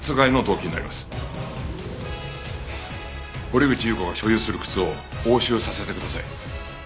堀口裕子が所有する靴を押収させてください。